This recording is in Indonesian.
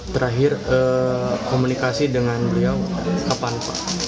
terakhir komunikasi dengan beliau kapan pak